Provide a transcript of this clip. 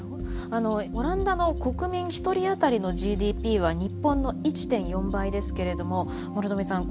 オランダの国民一人当たりのＧＤＰは日本の１．４倍ですけれども諸富さん